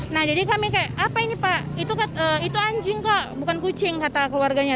nah jadi kami kayak apa ini pak itu anjing kok bukan kucing kata keluarganya